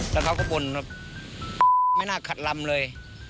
แล้วเขาก็บ่นว่าไม่น่าขัดลำเลย